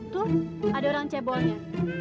tuh ada orang cebolnya